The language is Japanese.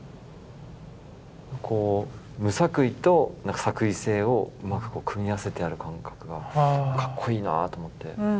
無作為と作為性をうまく組み合わせてある感覚がかっこいいなと思って。